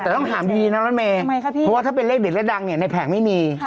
แต่ต้องถามดีนะรถเมย์เพราะว่าถ้าเป็นเลขเด็ดและดังเนี่ยในแผงไม่มี